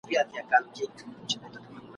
هم پردې سي هم غلیم د خپل تربور وي ..